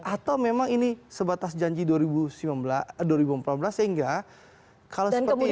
atau memang ini sebatas janji dua ribu empat belas sehingga kalau seperti ini